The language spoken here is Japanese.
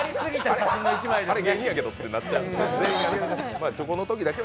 あれ、下品やけどってなっちゃう。